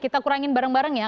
kita kurangin bareng bareng ya